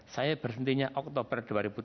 saya berhentinya oktober dua ribu tujuh belas